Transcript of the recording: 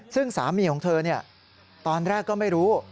ซึ่งสามีของเธอตอนแรกก็ไม่รู้